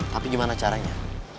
tapi gimana caranya